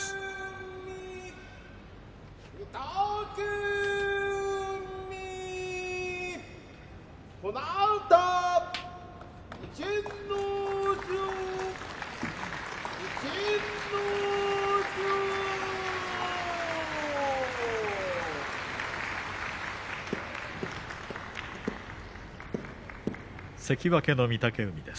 拍手関脇の御嶽海です。